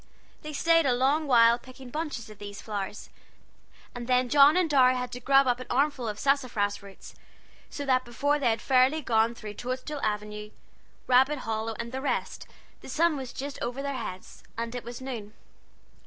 They staid a long while picking bunches of these flowers, and then John and Dorry had to grub up an armful of sassafras roots; so that before they had fairly gone through Toadstool Avenue, Rabbit Hollow, and the rest, the sun was just over their heads, and it was noon.